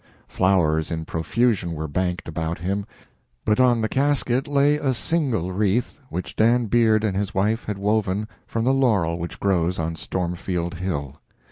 Flowers in profusion were banked about him, but on the casket lay a single wreath which Dan Beard and his wife had woven from the laurel which grows on Stormfield hill.